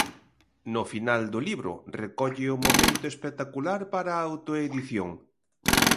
No final do libro recolle o momento espectacular para a autoedición.